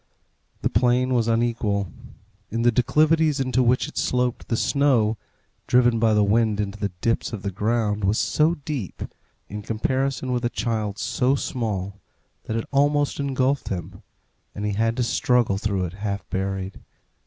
The plain was unequal. In the declivities into which it sloped the snow, driven by the wind into the dips of the ground, was so deep, in comparison with a child so small, that it almost engulfed him, and he had to struggle through it half buried.